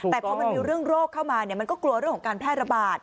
แต่พอมันมีเรื่องโรคเข้ามามันก็กลัวเรื่องของการแพร่ระบาด